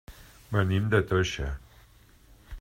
Venim de Toixa.